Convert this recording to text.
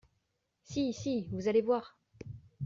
Si, Si, vous allez voir !